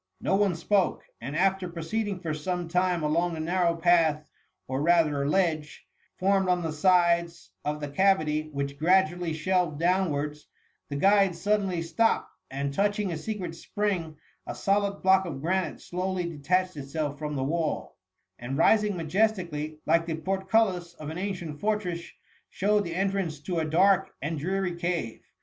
No one spoke ; and after proceeding for some time along the narrow path, or rather ledge, formed on the sides of the cavity, which gradu ally shelved downwards, the guide suddenly stopped, and touching a secret spring, a solid block of granite slowly detached itself from the wall, and, rising majestically like the portcullis of an ancient fortress, showed the entrance to a dark and dreary cave.